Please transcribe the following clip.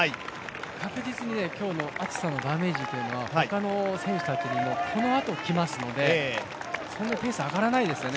確実に今日の暑さのダメージというのは他の選手たちにも、このあときますので、そんなにペース上がらないですよね。